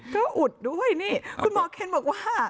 ก็อุดด้วยนี่คุณหมอเคนบอกว่า